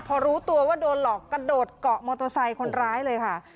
พอรู้ตัวว่าโดนหลอกกระโดดเกาะมอเตอร์ไซค์คนร้ายเลยค่ะ